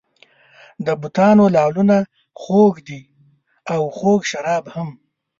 د بتانو لعلونه خوږ دي او خوږ شراب هم.